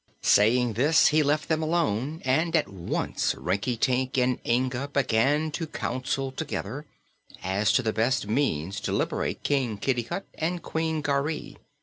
Saying this, he left them alone and at once Rinkitink and Inga began to counsel together as to the best means to liberate King Kitticut and Queen Garee.